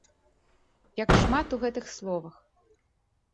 Як шмат у гэтых словах!